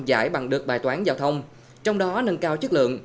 giải bằng được bài toán giao thông trong đó nâng cao chất lượng